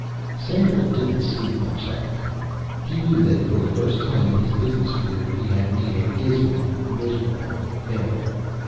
Samuel didn't sleep much that night. He knew that for the first time in his business career he had made a dismal, miserable failure.